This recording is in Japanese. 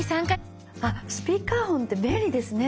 あっスピーカーフォンって便利ですね！